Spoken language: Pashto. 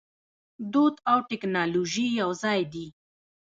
دود او ټیکنالوژي یوځای دي.